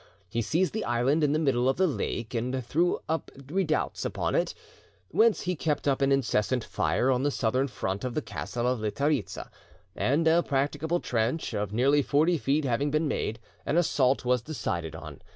He seized the island in the middle of the lake, and threw up redoubts upon it, whence he kept up an incessant fire on the southern front of the castle of Litharitza, and a practicable trench of nearly forty feet having been made, an assault was decided on.